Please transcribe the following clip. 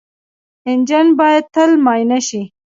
انجن باید تل معاینه شي.